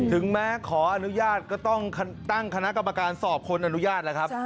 ถึงแม้ขออนุญาตก็ต้องตั้งคณะกรรมการสอบคนอนุญาตแล้วครับ